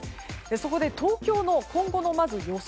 そこで、東京の今後の予想